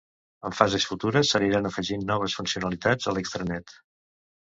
En fases futures s'aniran afegint noves funcionalitats a l'extranet.